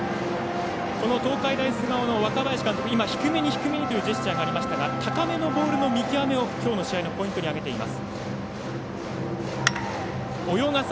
東海大菅生の若林監督、低めにというジェスチャーがありましたが高めのボールの見極めをきょうの試合のポイントに挙げています。